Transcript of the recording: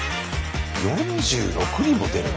４６人も出るの？